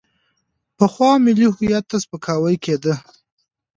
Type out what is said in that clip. پخوا ملي هویت ته سپکاوی کېده.